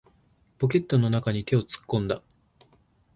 ポケットの中に手を突っ込んだ。